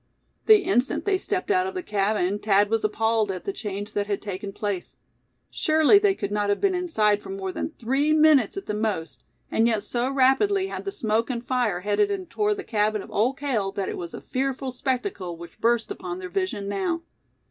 The instant they stepped out of the cabin Thad was appalled at the change that had taken place. Surely they could not have been inside for more than three minutes at the most; and yet so rapidly had the smoke and fire headed in toward the cabin of Old Cale that it was a fearful spectacle which burst upon their vision now.